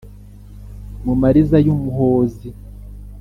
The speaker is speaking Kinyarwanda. Mu mariza y’Umuhozi